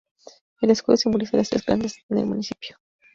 El escudo simboliza las tres grandes en el municipio.